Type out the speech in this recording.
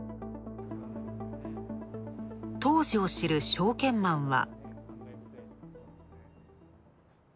当時を知る証券マンは。